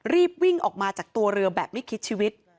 รีบวิ่งออกมาจากตัวเรือแบบไม่คิดชีวิต